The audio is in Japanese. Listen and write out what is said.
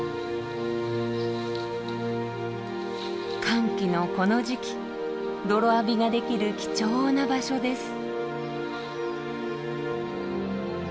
乾季のこの時期泥浴びができる貴重な場所です。